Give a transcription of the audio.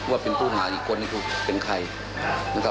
ว่าเป็นผู้หาอีกคนเป็นใคร